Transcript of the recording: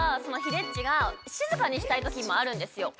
でっちが静かにしたいときもあるんですよ